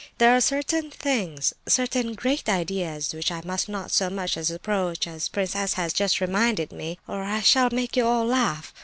There are certain things, certain great ideas, which I must not so much as approach, as Prince S. has just reminded me, or I shall make you all laugh.